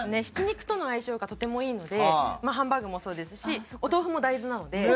ひき肉との相性がとてもいいのでハンバーグもそうですしお豆腐も大豆なので。